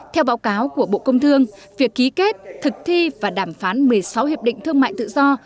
theo báo cáo của bộ công thương việc ký kết thực thi và đàm phán một mươi sáu hiệp định thương mại tự do